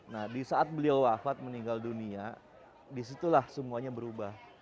nah di saat beliau wafat meninggal dunia disitulah semuanya berubah